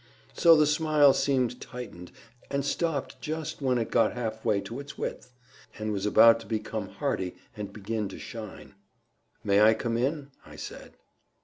So the smile seemed tightened, and stopped just when it got half way to its width, and was about to become hearty and begin to shine. "May I come in?" I said.